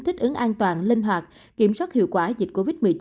thích ứng an toàn linh hoạt kiểm soát hiệu quả dịch covid một mươi chín